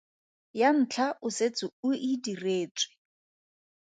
Ya ntlha o setse o e diretswe.